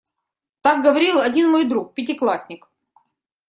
Так говорил один мой друг-пятиклассник.